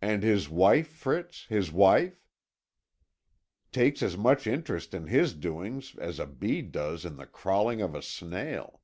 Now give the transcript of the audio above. "And his wife, Fritz, his wife?" "Takes as much interest in his doings as a bee does in the crawling of a snail."